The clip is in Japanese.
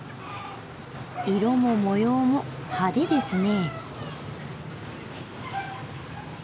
色も模様も派手ですね。